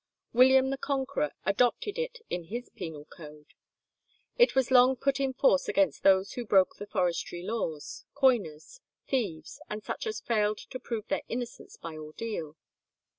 William the Conqueror adopted it in his penal code. It was long put in force against those who broke the forestry laws, coiners, thieves, and such as failed to prove their innocence by ordeal.